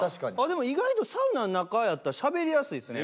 でも意外とサウナん中やったらしゃべりやすいっすね。